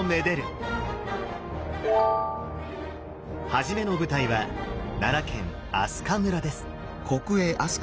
始めの舞台は奈良県明日香村です。